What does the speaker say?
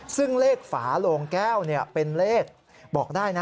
ซึ่งเลขฝาโลงแก้วเป็นเลขบอกได้นะ